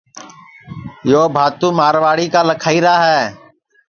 ٻو بھاتو مارواڑی کا لکھائیرا ہے